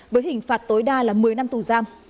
với hình phạt tối đa là một mươi năm tù giam